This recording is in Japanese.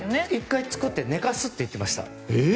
１回作って寝かすって言ってました。